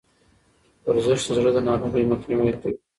ورزش د زړه د ناروغیو مخنیوی کوي.